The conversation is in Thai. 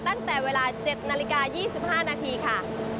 ตั้งแต่เวลา๗นาฬิกา๒๕นาทีค่ะ